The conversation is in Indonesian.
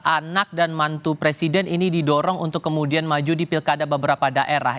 anak dan mantu presiden ini didorong untuk kemudian maju di pilkada beberapa daerah